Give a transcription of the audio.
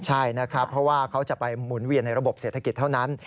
ใช่นะครับเพราะว่าเขาจะไปหมุนเวียนในระบบเศรษฐกิจเท่านั้น